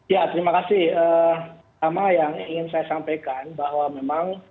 ya terima kasih sama yang ingin saya sampaikan bahwa memang